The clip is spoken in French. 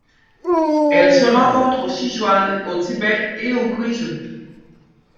Elle se rencontre au Sichuan, au Tibet et au Guizhou.